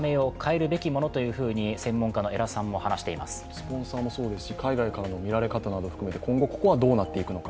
スポンサーもそうですし海外からの見られ方も含めて、今後ここはどうなっていくのか。